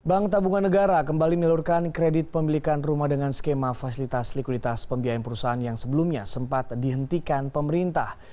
bank tabungan negara kembali melulurkan kredit pemilikan rumah dengan skema fasilitas likuiditas pembiayaan perusahaan yang sebelumnya sempat dihentikan pemerintah